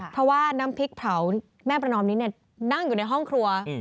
เพราะว่าน้ำพริกเผาแม่ประนอมนี้นั่งอยู่ในห้องครัว